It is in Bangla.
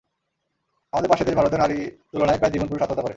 আমাদের পাশের দেশ ভারতেও নারীর তুলনায় প্রায় দ্বিগুণ পুরুষ আত্মহত্যা করে।